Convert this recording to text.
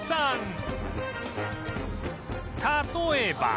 例えば